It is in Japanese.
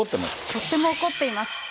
とっても怒っています。